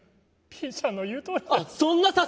ピーちゃんの言うとおりだ。